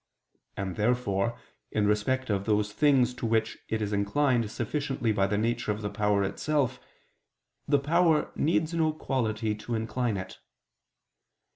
And therefore in respect of those things to which it is inclined sufficiently by the nature of the power itself, the power needs no quality to incline it.